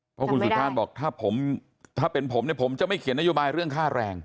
เพราะคุณสุชาติบอกถ้าผมถ้าเป็นผมเนี่ยผมจะไม่เขียนนโยบายเรื่องค่าแรง